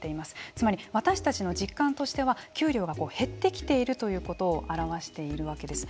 つまり私たちの実感としては給料が減ってきているということを表しているわけです。